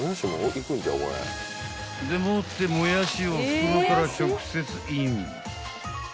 ［でもってもやしを袋から直接イン］